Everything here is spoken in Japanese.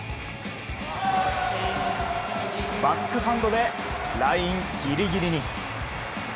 バックハンドでラインぎりぎりに。